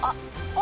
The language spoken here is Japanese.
お！